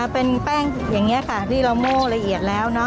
เป็นแป้งอย่างนี้ค่ะที่เราโม่ละเอียดแล้ว